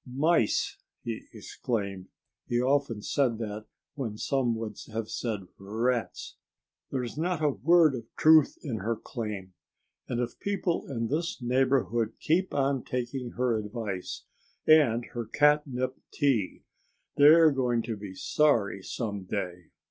"Mice!" he exclaimed (he often said that when some would have said "Rats!"). "There's not a word of truth in her claim. And if people in this neighborhood keep on taking her advice and her catnip tea they're going to be sorry some day.